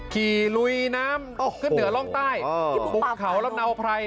ขี่ลุยน้ำขึ้นเหนือล่องใต้ปุ๊บเขาแล้วเนาไพร